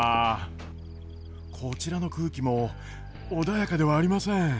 こちらの空気も穏やかではありません。